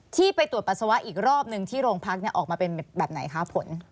ที่ไปตรวจปัสสาวะอีกรอบหนึ่งที่โรงพักออกมาเป็นแบบไหนคะผล